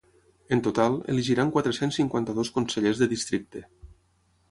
En total, elegiran quatre-cents cinquanta-dos consellers de districte.